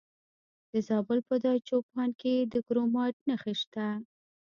د زابل په دایچوپان کې د کرومایټ نښې شته.